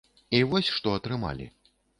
І вось, што атрымалі.